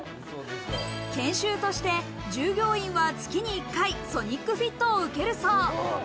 研修として従業員は月に１回、ソニックフィットを受けるそう。